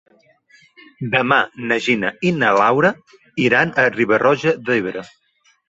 Demà na Gina i na Laura iran a Riba-roja d'Ebre.